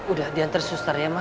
udah diantar suter ya ma